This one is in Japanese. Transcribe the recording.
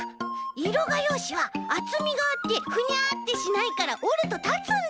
いろがようしはあつみがあってフニャッてしないからおるとたつんだ！